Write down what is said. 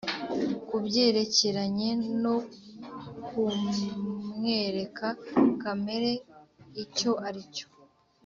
kubyerekeranye no kumwereka kamere icyo aricyo.